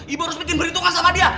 ibu harus bikin berhitungan sama dia